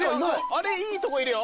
あれいいとこいるよ。